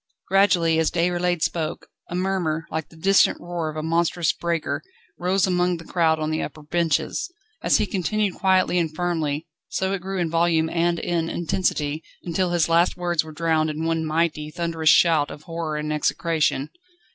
Gradually, as Déroulède spoke, a murmur, like the distant roar of a monstrous breaker, rose among the crowd on the upper benches. As he continued quietly and firmly, so it grew in volume and in intensity, until his last words were drowned in one mighty, thunderous shout of horror and execration.